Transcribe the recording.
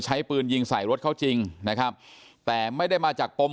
ใช้ปืนยิงใส่รถเขาจริงนะครับแต่ไม่ได้มาจากปม